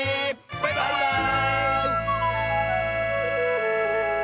バイバーイ！